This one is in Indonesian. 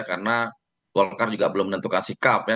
karena golkar juga belum menentukan sikap ya